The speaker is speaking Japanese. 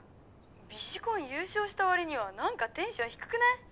☎ビジコン優勝した割には何かテンション低くない？